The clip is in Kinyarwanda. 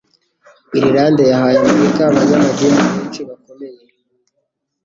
Irlande yahaye Amerika abanyamadini benshi bakomeye